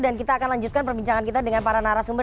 dan kita akan lanjutkan perbincangan kita dengan para narasumber